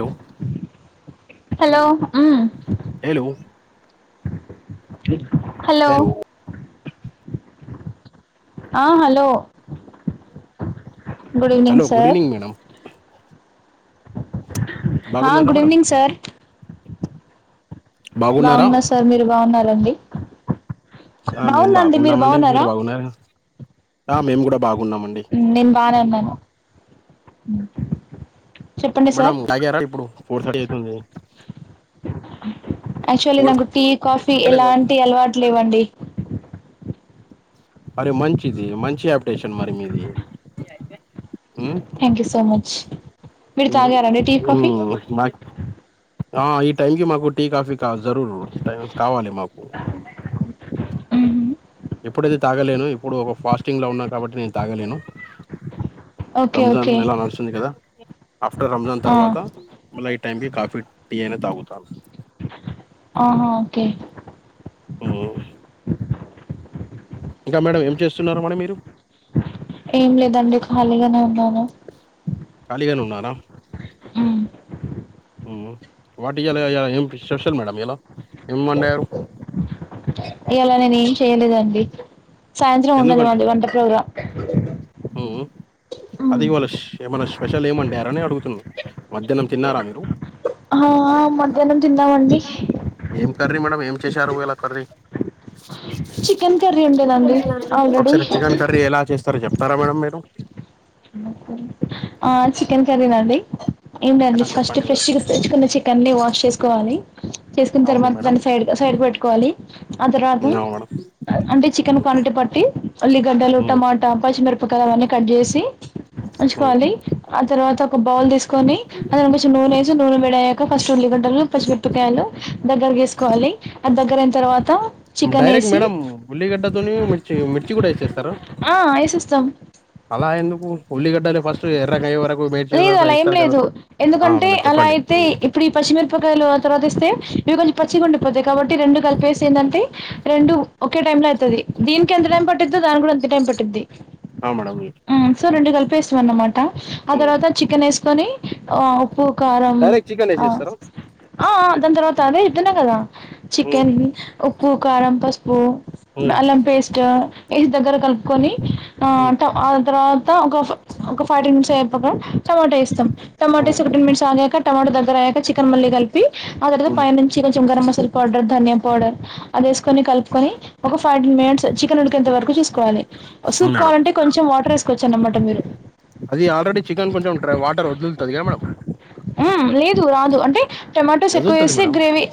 Hello hello um hello hello ఆ hello good hello evening good sir evening madam హ బాగున్నారా good madam evening sir బాగున్నారా బాగున్న sir మీరు బాగున్నండి ఆ మేము బాగున్నామ అండి మీరు బాగున్నార ఆ మేము కూడా బాగు నేను బానే ఉన్నాను చెప్పండి సార్ మేడం కాగార ఇప్పుడు ఫోర్ థర్టీ అయితుంది యాక్చువల్లీ ఫోర్ నాకు టీ కాఫీ లేదా ఎలాంటి అలవాటు లేవండి అరే మంచిది మంచి ఆప్టేషన్ మరి మీది థ్యాంక్ యూ సో మచ్ మీరు తాగారండి టీ కాఫీ మా ఈ టైమ్కి మాకుటీ కాఫ తాగుతారు టై కావాలి మాకు మ్మ్. ఎప్పుడైతే తాగలేను ఇప్పుడు ఒక ఫాస్టింగ్ లో ఉన్నా కాబట్టి నేను తాగలేను ఓకే రంజాన్ ఓకే నెల నడుస్తుంది కదా ఆఫ్టర్ రంజాన్ ఆ తర్వాత మళ్ళ టైమ్ కి కాఫీ టీ అయిన తాగుతా ఆహా ఓకే ఉమ్ ఇంకా మేడం ఏం చేస్తున్నారుమేడమ్ మీరు ఏం లేదండి ఖాళీగానే ఉన్నాను ఖాళీగానే ఉన్నారా ఆ వాటికిలాం స్పెషల్ మేడ ఎలా ఏం వండరూ ఇలా నేను ఏం చేయలేదండి సాయంత్రం ఉండది మది వంట ప్రోగ్రాం మ్మ్ అదేవాలష్ ఏమైనా స్పెషల్ ఏమండి ఎరనే అడుగుతున్నా మధ్యాహ్నం తిన్నారా మీరు ఆ మధ్యాహ్నం తిన్నామండి ఏం కర్రీ మేడం ఏం చేశారు ఇలా కర్రీ చికెన్ కర్రీ ఉండేనండి క ఆల్రెడీ ఒకసారి చికెన్ కర్రీ ఎలా చేస్తారు చెప్పడి సారా మేడం మీరు ఆ చికెన్ కరీ నాండి ఏంటండి ఆ ఫస్ట్ చెప్పండి మేడం ఫ్రెష్ తెచ్చుకున్న చికెన్ ని వాష్ చేసుకోవాలి చేసుకున్న అవును తర్వాత మేడం దాన్ని సైడ్ కు సైడ్ పెట్టుకోవాలి ఆ తరువాత హ్మ్. అవును మేడం అంటే చికెన్ క్వాంటిటీ పట్టి ఉల్లిగడ్డలు టమాటా పచ్చిమిరు ఉ కారాన్ని కట్ చేసి మ్మ్ ఉంచుకోవాలి ఆ తర్వాత ఒక బౌల్ తీసుకొని అందులో మిషు నూనె వేసి నూనె వేడి అయ్యాక ఫస్ట్ ఉల్లిగడ్డల్ పచ్చిమిరపకాయలు దగ్గరకు వేసుకోవాలి అది దగ్గర అయిన తర్వాత చికెన్ డైరక్ట్ వేసి మేడమ్ ఉల్లిగడ్డా తోని మిర్చి మిర్చి కూడా వేసు తెస్తారు ఆ ఏసేస్తాం. అలా ఎందుకు ఉల్లిగడ్డలు ఫస్ట్ ఎర్రగా అయ్యే వరకు వేచ్ లేదు అలా ఏం లేదు ఎందుకంటే అలా చెప్పండి అయితే మ్మ్ ఇప్పుడు ఈ పచ్చి మిరపకాయలు తర్వాత ఇస్తే ఇవి కొంచెం పచ్చిగా ఉండిపోతాయి కాబట్టి రెండు కలిపేసి ఏంది అంటే రెండు ఒకే టైమ్ లో అయితది దీనికి ఎంత టైం పట్టిందో దాని కూడా అంతే టైం పట్టిద్ది ఉ ఆ మేడం మ్మ్ సో రెండు కలిపేసిన అన్నామాటా అ తర్వాత చికెన్ ఏసు తోని ఆ ఉప్పు కారం డైరెక్ట్ చికెన్ ఆ వేసేస్తారా ఆ ఆ దాని తర్వాత అదే ఇద్దన్నా కదా చికెన్ ఉప్పు కారం పసుపు అల్లం పేస్ట్ ఇవి దగ్గరకు కలుపుకొని ఆ ఆ తర్వాత ఒక ఒక ఫార్టీ మిట్స్ అయిపోక టమాట ఏస్తాం టమాట సూడుటీన్ మిట్స్ ఆగక టమాట దగ్గర అయ్యాక చికెన్ మళ్ళీ కలిపి ఆ తర్వాత పై నుంచి కొంచెం గరం మసాలా పౌడర్ ధనియా పౌడర్ అది వేసుకొని కలుపుకొని ఒక ఫైర్టీన్ మినిట్స్ చికెన్ ఉడికేంత వరకు చూసుకోవాలి సూప్ మేడం కావాలంటే కొంచెం వాటర్ వేసుకోవచ్చు అన్నమాట మీరు అది ఆల్రెడీ చికెన్ కొంచెం వాటర్ వదులుతది గా మేడం హ్మ్. లేదు రాదు అంటే టొమాటోస్ ఎక్కువ ఎదులుతది వేస్తే మేడం గ్రేవీ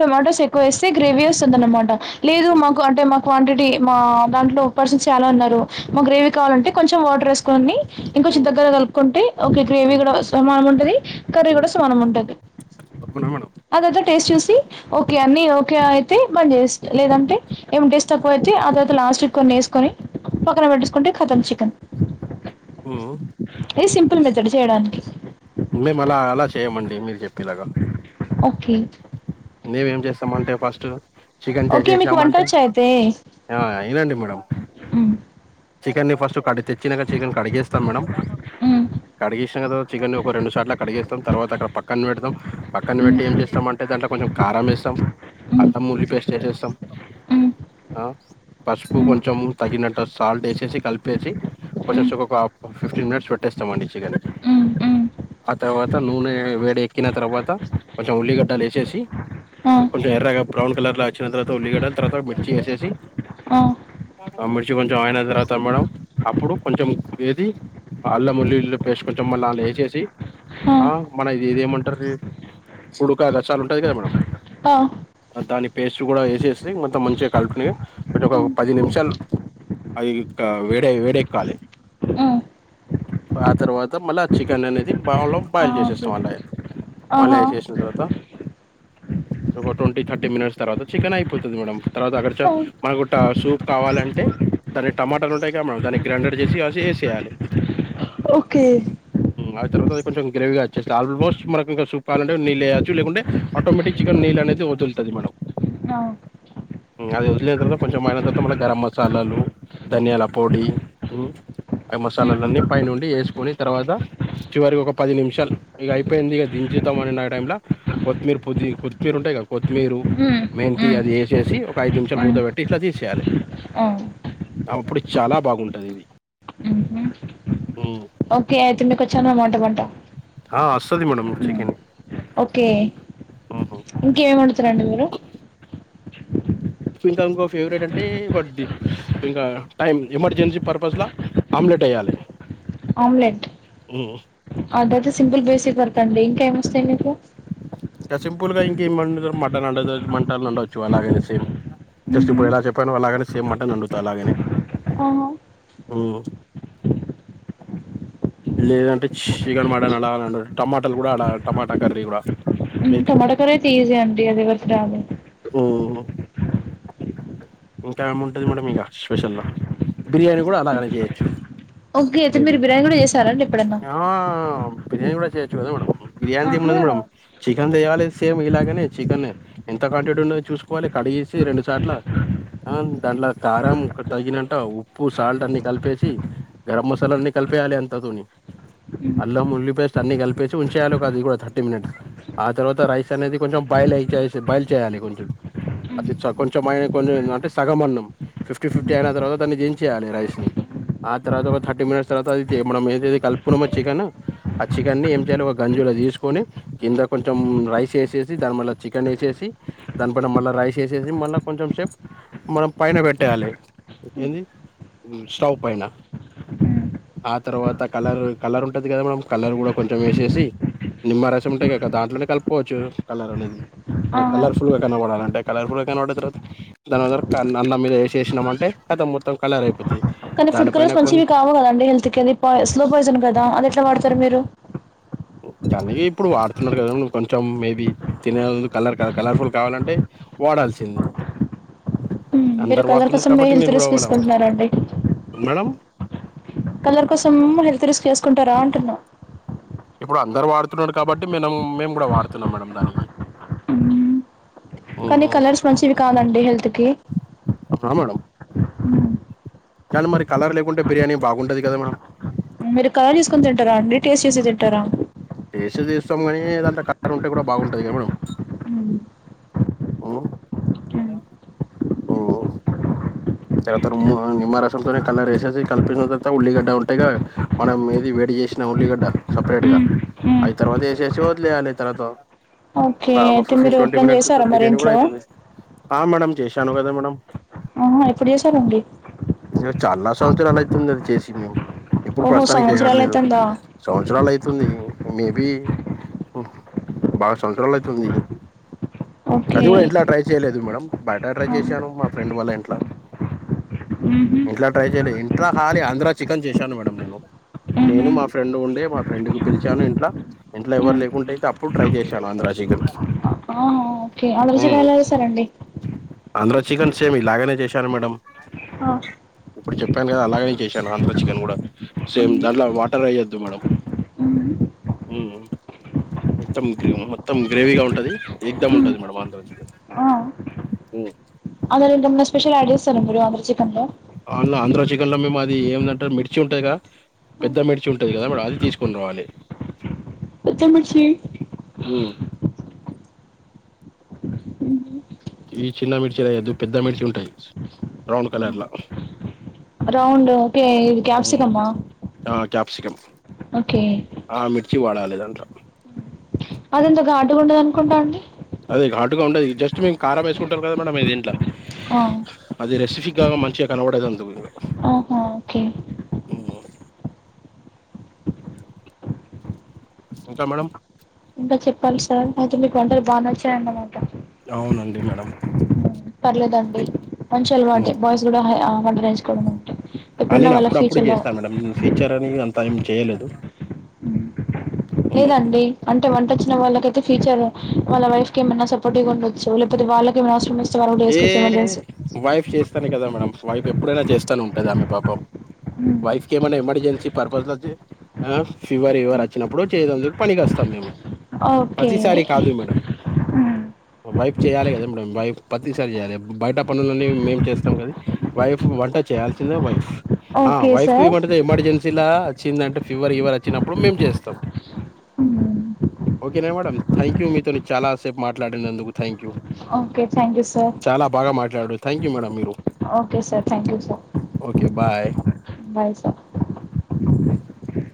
టొమాటోస్ ఎక్కువ వేసు చే గ్రేవీ వస్తుంది అన్నమాట లేదు మాకు అంటే మా క్వాంటి టి మా దాంట్లో ఉప్పర్ సీన్స్ చాలా ఉన్నారు మా గ్రేవీ కావాలంటే కొంచెం వాటర్ వేసుకొండి ఇంకావచ్చుద ఉత్తగా కలుపుకుంటే ఓకే గ్రేవీ కూడా సమానం ఉంటది కర్రీ కూడా సమానం ఉంటది అవునా మేడం అ తరువాత టేస్ట్ చూసి ఓకే అన్ని ఓకే అయితే బన్ జెస్ లేదంటే ఏమ్ టెస్ట్ తక్కువ అయితే ఆ తర్వాత లాస్ట్ కు కొన్ని వేసుకొని పక్కన పెట్టేసుకుంటే కతం చికెన్ ఊ ఈ సింపుల్ మెథడ్ చేయడానికి మేము అలా అలా చేయమండి మీరు చెప్పేలాగా ఓకే మీ ఏమ్ చేస్తామంటే ఫస్ట్ చికెన్ ఓకే మీకు తెసేసామంటే వంటొచ్చా అయితే? ఆ ఇనండి మేడం హ్మ్. చికెన్ ను ఫస్ట్ కడు తెచ్చినంకా చికెన్ కడిగేస్తాం మేడం హ్మ్ కడిగేసినా కదా చికెన్ ఒక రెండు సార్లా కడిగేసు తోన్ తర్వాత అక్కడ పక్కన పెడతాం పక్కన హ్మ్ పెట్టి ఏం చేస్తా అంటే దాంట్లో కొంచెం కారం వేస్తాం హ్మ్ అల్లం ఉల్లి పేస్ట్ వేసేస్తాం హ్మ్ ఆ పసుపు హ్మ్ కొంచెం తగినట్టు సాల్ట్ వేసేసి కలిపేసి కొంచెం హ్మ్ సుగొకావు ఒక్క ఫిఫ్టీన్ మినిట్స్ పెట్టేస్తామండి చికెన్ హ్మ్ హ్మ్ ఆ తర్వాత నూనె వేడి ఎక్కిన తర్వాత కొంచెం ఉల్లిగడ్డలు వేసేసి ఆ కొంచెం ఎర్రగా బ్రౌన్ కలర్ లా వచ్చిన తర్వాత ఉల్లిగడ్డలు తర్వాత మిర్చి వేసేసి హ ఆ మిర్చి కొంచెం అయిన తర్వాత మేడం అప్పుడు కొంచెం ఏది అల్లముల్లిల్ పేస్ట్ కోన్ కొంచెం మళ్ళా అల్లా ఏ చేేసి ఆ మన ఇది ఇది ఏమంటారు కుడుక గసాలు ఉంటది కదా మేడమ్ ఆ దాని పేస్ట్ కూడా వేసేస్తే మొత్తం మంచిగా కలిపిని ఒకటే ఒక హ్మ్ పది నిమిషాలు అది ఇంకా వేడే వేడెక్కాలే హ్మ్ ఆ తరువాత మళ్ళా చికెన్ అనేది బవులోమ్ ఆ! పైల్ ఓకే. చేసేస్తాం అళ్ళ ఏ వాళ్ళ ఆహా! ఏసేసిన తరువాత ఒక ట్వంటీ థర్టీ మినిట్స్ తర్వాత చికెన్ అయిపోతుంది మేడం తరువాత అక్కడ చ ఆ! మణుగూట్టసు సూప్ కావాలంటే దాన్ని టమాటాలు ఉంటాయి కా మేడం దాన్ని గ్రైండర్ చేసి వేసి చేయాలి. ఓకే తర్వాత కొంచం గ్రేవీగా వచ్చే ఆల్మోస్ట్ మనకి ఇంకా సూప్ కావాలెట్ నీళ్ళు వేయచ్చ లేకుంటే ఆటోమేటిక్ చికెన్ నీళ్ళు అనేది వదులుతుది మనం [unintelligible] ఉ అది వదిలిన తర్వాత కొంచెం ఆయిన తర్వాత మళ్ళీ గరం మసాలాలు ధనియాల పొడి ఉ ఆ హ్మ్. మసాలాలన్నీ పైనుండి వేసుకొని తర్వాత చివరికి ఒక పది నిమిషాలు ఇక అయిపోయింది ఇక డిచేద్దాం అన ఆ టైంలో కొత్ కొత్తిమీరు పొది కొత్తిమీరు ఉంటాయి కదా కొత్తిమీరు హ్మ్. మెంతి హ్మ్. అది వేసేసి ఒక ఐదు నిమిషాలు మూత హ్మ్. పెట్టి ఇట్లా తీసేయాలి. ఆ! అప్పుడు చాలా బాగుంటంది ఇది హుహు. హ్మ్. ఓకే అయితే మీకు వచ్చన్నమాట వంట ఆ వస్తది madam hmm. Chicken okay hmm. ఇంకే వొండుతారండి మీరు ఇంకా ఇంకో ఫేవరెట్ అంటే వడ్డి ఇంకా టైం ఎమర్జెన్సీ పర్పస్లా ఆమ్ మ్లెట్ వేయాలి ఆమ్లెట్ హ్మ్. అదైతే సింపుల్ బేసిక్ వర్త్ అండి ఇంకా ఏమొస్తాయి మీకు ఇ సింపుల్ గా ఇంకేం వండుతార్ మటన్ వండుతారు మటన్ వండవచ్చు అలాగనే సేమ్ జస్ట్ హుహు. ఇప్పుడు ఎలా చెప్పానో ఆలానే సేమ్ మటన్ వండుతా అలాగనే ఆహా! ఉ లేదంటే చ్ చికెన్ మటన్ వండుతా అలా టమాటాలు కూడా అలా టమాటా కర్రీ కూడా మేబి టమాట కర్రీ అయితే ఈజీ అండి అదే ఎవరికి రాదు మ్మ్ ఇంకా ఏముంటది మేడమ్ ఇంక స్పెషలు బిర్యానీ కూడా అలాగనే చేయొచ్చు. ఓకే అయితే మే బి మీరు బిర్యానీ కూడా చేసారండి ఎప్పుడన్నా బిర్యానీ కూడా చేయొచ్చు కదా మేడం బిర్యానీ ఆహా ఏమున్నది మేడం చికెన్ తేయాలి సేమ్ ఇలాగనే చికెనే ఇంత కంటి [unintelligible] చూసుకోని కడిగేసి రెండు సార్ట్ల ఆ దాంట్ల కారం తగినంట ఉప్పు సాల్ట్ అన్ని కలిపేసి గరమ్ మసలాన్ని కల్పేయలా అంత తొని అల్లం ఉళ్లిపేస్ట్ అన్ని కలిపేసి ఉంచేయాల అది కూడా థర్టీ మినిట్స్ ఆ తర్వాత రైస్ అనేది కొంచెం బయల్ అనేది చేసి బయల్ చేయాలి కొంచెం అది కొంచెం అయ్ కొంచెం అంటే సగమన్నం ఫిఫ్టీ ఫిఫ్టీ అయిన తర్వాత దాన్ని దించెయాలి రైస్ ని ఆ తర్వాత ఓ థర్టీ మనిట్స్ తర్వాత మనం ఏదయింతే కలపుకున్నామో చికెను ఆ చికెన్ ని ఏం జెలో గంజులో తీసుకొని కింద కొంచెం రైస్ వేసేసి దాని మల్ల చికెన్ వేసేసి దాని పైన మళ్ళా రైస్ వేసేసి మళ్ళా కొంచెం సేప్ మనం పైన పెట్టేయాలి. ఏంది ఉ స్టవ్ పైన అ ఆ తర్వాత కలర్ కలర్ ఉంటది కదా మేడం కలర్ కూడా కొంచెం వేసేసి నిమ్మరసం ఉంటే కదా దాంట్లోనే కలుపుకోవచ్చు కలర్ అనేది మ ఆహా కలర్ ఫుల్ గా కనపడలంటే అంటే కలర్ఫుల్ గా కనపడతారు తర్వాత [unintelligible] అన్నం మీద వేసేసినం అంటే కాతం మొత్తం కలర్ అయిపోతాయ్. కానీ ఫుడ్ కలర్స్ మంచివి కావు కదాండి హెల్త్ కి అ పాయిజ్ స్లో పాయిజన్ కదా అది ఎట్లా వడుతారు మీరు. కానీ ఇప్పుడు వాడుతున్నారు కదా కొంచెం మేబీ తినే కలర్ కలర్ఫుల్ కావాలంటే వాడాల్సింది ఉ మీరు అందరు కలర్ వాడుతున్నారు కోసం కాబట్టి హెల్త్ నేను కూడా రిస్క్ వాడ వాడ- తీసుకుంటున్నారండి. మేడం కలర్ కోసం హెల్త్ రిస్క్ తిసుకుంటారా అంటున్నా. ఇప్పుడు అందరు వాడుతున్నారు కాబట్టి మేడం మేము కూడా వాడుతున్నాం మేడం దానికి. కానీ ఓహో కలర్స్ మంచివి కాదండి హెల్త్ కి ఉనా మేడం కానీ మరి కలర్ లేకుంటే బిర్యానీ బాగుండదు కదా మేడం మీరు కలర్ చూస్కోని తింటారా అండి టేస్ట్ చూసి తింటారా. టేస్టే తీస్తాం కానీ ఇదంతా కలర్ ఉంటే కూడా బాగుంటది కదా మేడం. ఉ ఓఓ తర్వత మ్మ నిమ్మరసంతోనే కలరేసేసి కలిపిన తర్వాత ఉల్లిగడ్డ ఉంటయ్ గద మనం ఏది వేడి చేసినా ఉల్లిగడ్డ సపరేట్ గా అవి తర్వాత ఏసేసి వదిలేయాలె తర్వాత ఓకే ఒక ఒక అయితే ఫిఫ్టీన్ మీరు ట్వంటీ ఎప్పుడైనా మినిట్స్ చేసారా తర్ మరి బిర్యానీ కూడా ఇంట్లో అయిపోతది. ఆ మేడమ్ చేశాను గదా మేడమ్ హ్ ఎప్పుడు చేసారండి జ చాలా సంవత్సరాలయితుంది అది చేసి మేము ఇప్పుడు ఓహో ప్రస్తుతానికి సంవత్సరాలు చేయట్లేదు అయితుందా సంవత్సరాలయితుంది మే బి బాగ సంవత్సరాలయితుంది ఓకే అది గూడ ఇంట్ల ట్రై చేయలేదు మేడం బయట ట్రై ఆ చేశాను మా ఫ్రెండ్ వాల్ల ఇంట్ల ఊహు ఇంట్ల ట్రై చేయలే, ఇంట్లా ఖాలీ ఆంధ్ర చికెన్ చేశాను మేడం నేను నేను ఊహు మా ఫ్రెండ్ ఉండే మా ఫ్రెండ్ కు పిలిచాను ఇంట్లా, ఇంట్ల ఊ ఎవరు లేకుంటేయితే అప్పుడు ట్రై చేశాను ఆంధ్రా చిక్ చికన్ ఆహా ఓ కే ఆరోజు ఎలా ఎలా చేశారండి ఆంధ్ర చికెన్ సేమ్ ఇలాగనే చేశాను మేడం ఆ ఇప్పుడు చెప్పాను గదా అలాగనే చేశాను ఆంధ్ర చికెన్ కూడా, సేమ్ దాంట్ల వాటర్ ఎయ్యొద్దు మేడం ఉమ్ ఉమ్ మొత్తం గ్రే మొత్తం గ్రేవీగా ఉంటది ఎగ్ధం ఊ ఉంటది మేడం ఆంద్రా చికెన్ ఆ హ్మ్ అందులో ఇంకేమన్న స్పెషల్ యాడ్ చేస్తరా మీరు ఆంధ్రా చికెన్ లో ఆళ్ల ఆంధ్రా చికన్ల మేము అది ఎందంటే మిర్చి ఉంటది గద పెద్ద మిడ్చి ఉంటది గదా మేడం అది తీసుకుని రావాలె పెద్ద మిర్చి ఉమ్ ఈ చిన్న మిర్చిలేయద్దు పెద్ద మిర్చి ఉంటయి రౌండ్ కలర్ల రౌండ్ ఓకే ఇది క్యాప్సికమ్మా ఆ క్యాప్సికం ఓకే చ్చి వాడాలేదాంట్ల అది అంత ఘాటుగుండదాన్కుంట అండి ది ఘాటుగ ఉండది జస్ట్ మీర్ కారమేసుకుంటరు గద మేడం ఇంట్ల ఆ అది రెసిఫిక్గ మంచిగా కనబడేదందుకు ఆహా ఓకే ఇంగ హ్మ్ [inaudible] ఇంకా మేడం ఇంకా చెప్పాలి సార్ అయితే మీకు వంటలు బానే వచ్చాయన్నమాట. అవునండి మేడం పర్లేదండి మంచి అలవాంటే మ్మ్ బాయ్స్ గూడా హా ఆ వంటనేర్చుకోవడమంటే, ఎప్పుడన్న వాళ్ళ ఫ్యూచర్ లో ఇన్ ఫ్యూచర్ అని అంత ఏం చేయలేదు మ్మ్ లేదండి అంటే వంట చ్ చ్చిన వాళ్ళకయితే ఫ్యూచర్ వాళ్ళ వైఫ్ కేమన్నా సపోర్టివ్గా ఉండొచ్చు, లేపోతే వాళ్ళక్ ఏమన అవసరమోస్తే [unintelligible] చేస్కోవచ్చు ఏమన్న జేసి త్తనే కదా మేడం వైఫ్ ఎప్పుడైనా చేస్తనే ఉంటది ఆమె పాపం వైఫ్ కేమన్న ఎమర్జెన్సీ పర్పస్ లోచ్చి ఆ ఫీవర్ గివర్ వచ్చినప్పుడు చేదందుకు పనికస్తాం మేము. ఓకే హ్మ్ వైప్ చేయాలె గదా మేడం వైప్ ప్రతిసారి చేయాలే బయట పనులన్నీ మేము చేస్తాం గని, వైఫ్ వంట చేయాల్సిందే వైఫ్ ఆ ఓకే వైఫ్ కి సార్ ఇయ్య మంటే ఎమ్మటే దెల్సెది ఇలా వచ్చిందంటే ఫీవర్ గివర్ వచ్చినప్పుడు మేం జేస్తాం ఓకేనా మేడం థ్యాంక్ యూ మీతోని చాలా సేపు మాట్లాడినందుకు thank you okay thank you sir చాలా బాగా మాట్లాడు థ్యాంక్ యూ మేడం మీరు okay sir thank you sir okay bye bye sir [unintelligible]